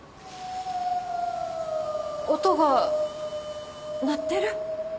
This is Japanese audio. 音が鳴ってる？